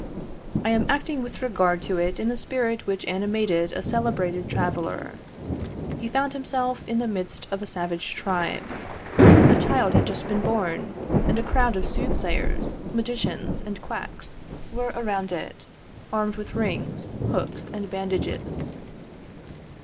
I am acting with regard to it in the spirit which animated a celebrated traveller. He found himself in the midst of a savage tribe. A child had just been born, and a crowd of soothsayers, magicians, and quacks were around it, armed with rings, hooks, and bandages.